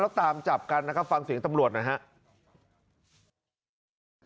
แล้วก็ตามจับกันฟังเสียงตำรวจนะครับ